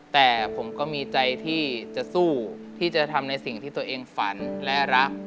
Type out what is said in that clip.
แต่ผมก็มีใจที่จะสู้ที่จะทำในสิ่งที่ตัวเองฝันและรัก